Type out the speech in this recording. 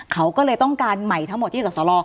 เขาก็เลยต้องการใหม่ทั้งหมดที่สสล